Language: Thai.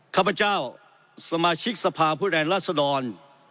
ข้าพเจ้าสมาชิกสภาพผู้แทนรัศดร